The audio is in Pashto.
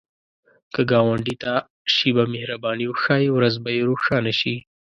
که ګاونډي ته شیبه مهرباني وښایې، ورځ به یې روښانه شي